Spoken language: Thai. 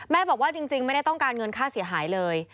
บอกว่าจริงไม่ได้ต้องการเงินค่าเสียหายเลย